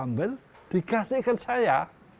ambil dikasihkan saya